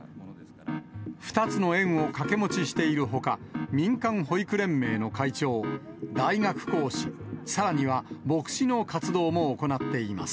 ２つの園を掛け持ちしているほか、民間保育連盟の会長、大学講師、さらには牧師の活動も行っています。